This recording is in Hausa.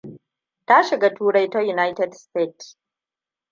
Ta shiga turai ta United States.